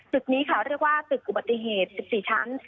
ตึกนี้ค่ะเรียกว่าตึกอุบัติเหตุ๑๔ชั้น